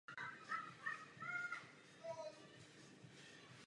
Zástupci rodu lori se živí převážně lovem menších živočichů.